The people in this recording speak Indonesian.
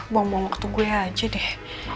buang buang waktu gue aja deh